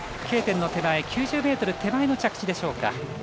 Ｋ点の手前９０ｍ手前の着地でしょうか。